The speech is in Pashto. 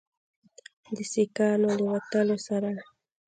د سیکانو له وتلو سره